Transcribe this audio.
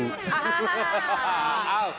โอ้โฮ